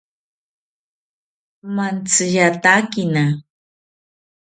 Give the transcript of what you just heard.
Mantziyatakina